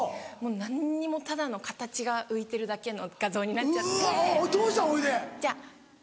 もう何にもただの形が浮いてるだけの画像になっちゃって。